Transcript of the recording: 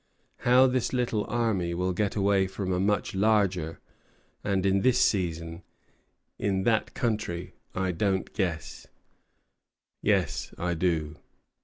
How this little army will get away from a much larger, and in this season, in that country, I don't guess: yes, I do."